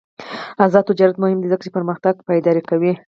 آزاد تجارت مهم دی ځکه چې پرمختګ پایداره کوي.